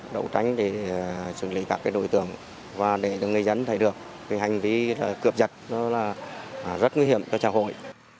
đấu tranh để xử lý các đối tượng và để người dân thấy được hành vi cướp giật rất nguy hiểm cho trang hội